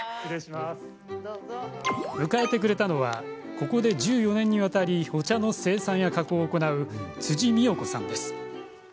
迎えてくれたのはここで１４年にわたりお茶の生産や加工を行う辻美陽子さんです。